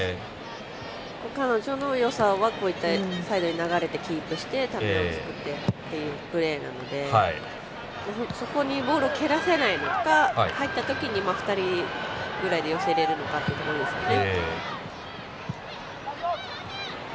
彼女のよさは、こういったサイドに流れていってキープして、壁を作ってっていうプレーなのでそこにボールを蹴らせないのか入ったときに２人ぐらいで寄せれるのかっていう部分ですね。